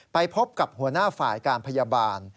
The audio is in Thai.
ไปพบกับหัวหน้าฝ่ายการพยาบาล